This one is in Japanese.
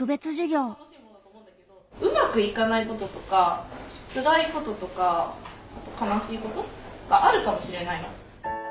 うまくいかないこととかつらいこととか悲しいことがあるかもしれないの。